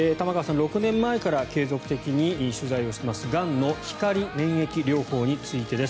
６年前から継続的に取材をしていますがんの光免疫療法についてです。